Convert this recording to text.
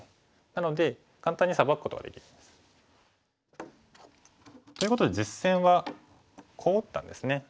なので簡単にサバくことができるんです。ということで実戦はこう打ったんですね。